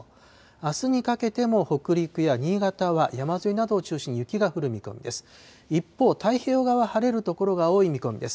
あすにかけても北陸や新潟は山沿いなどを中心に雪が降る見込みです。